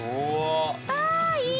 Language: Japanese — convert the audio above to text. あいい！